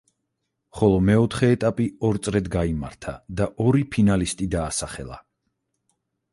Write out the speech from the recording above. ხოლო მეოთხე ეტაპი ორ წრედ გაიმართა და ორი ფინალისტი დაასახელა.